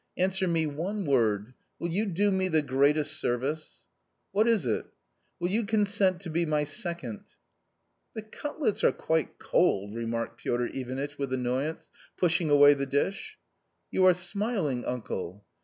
"Answer me one word; will you do me the greatest service ?" "What is it?" A " Will you consent to be my second ?" I" The cutlets are quite cold !" remarked Piotr Ivanitch with annoyance, pushing away the dish, "You are smiling, uncle?"